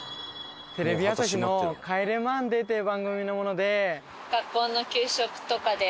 テレビ朝日の『帰れマンデー』っていう番組の者で。